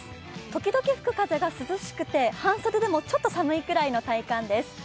時々吹く風が涼しくて半袖でもちょっと寒いくらいの体感です。